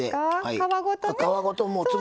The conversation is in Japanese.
皮ごとね。